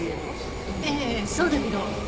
ええそうだけど。